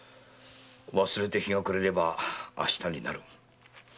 忘れて日が暮れれば明日になる。